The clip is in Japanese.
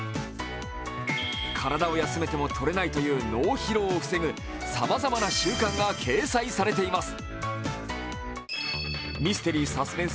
体を休めてもとれないという脳疲労を防ぐさまざまな習慣が掲載されています。